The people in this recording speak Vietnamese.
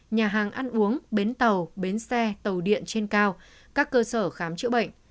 nhà hàng ăn uống bến tàu bến xe tàu điện trên cao các cơ sở khám chữa bệnh